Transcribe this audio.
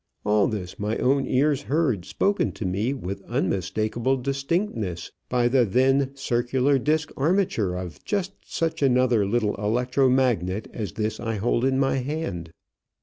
All this my own ears heard spoken to me with unmistakable distinctness by the then circular disk armature of just such another little electro magnet as this I hold in my hand."